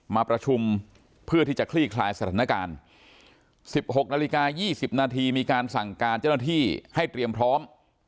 มาประชุมเพื่อที่จะคลี่คลายสถานการณ์๑๖นาฬิกา๒๐นาทีมีการสั่งการเจ้าหน้าที่ให้เตรียมพร้อม